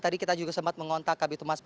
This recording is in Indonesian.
tadi kita juga sempat mengontak kb thomas polda